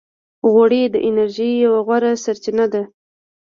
غوړې د انرژۍ یوه غوره سرچینه ده.